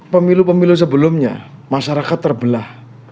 pemilu pemilu sebelumnya masyarakat terbelah